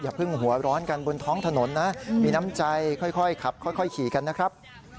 เพิ่งหัวร้อนกันบนท้องถนนนะมีน้ำใจค่อยขับค่อยขี่กันนะครับ